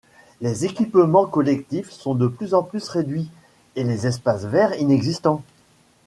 Les équipements collectifs sont de plus en plus réduits et les espaces verts inexistants.